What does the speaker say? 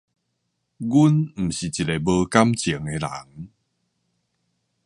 阮毋是一个無感情的人